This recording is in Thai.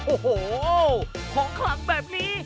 โอ้โหของขลังแบบนี้